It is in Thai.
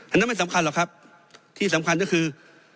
อันนั้นไม่สำคัญหรอกครับที่สำคัญก็คือ